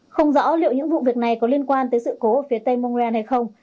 không rõ liệu những vụ việc này có liên quan tới sự cố ở phía tây mone hay không